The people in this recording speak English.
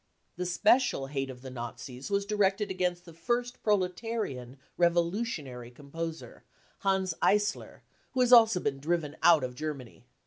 53 The special hate of the Nazis was directed against the first proletarian revolutionary composer, Hans Eisler, who has also been driven out of Germany.